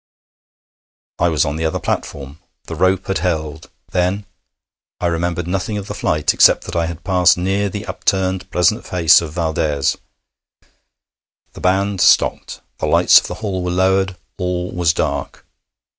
... I was on the other platform. The rope had held, then: I remembered nothing of the flight except that I had passed near the upturned, pleasant face of Valdès. The band stopped. The lights of the hall were lowered. All was dark.